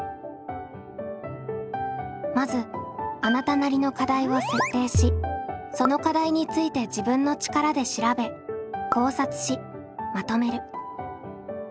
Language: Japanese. まずあなたなりの課題を設定しその課題について自分の力で調べ考察しまとめる。